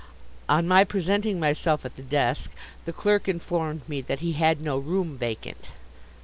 On my presenting myself at the desk the clerk informed me that he had no room vacant.